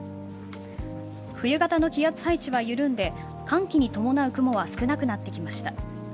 冬型の気圧配置は緩んで寒気に伴う雲は少なくなってきました。